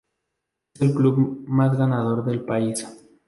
Es el club más ganador del país.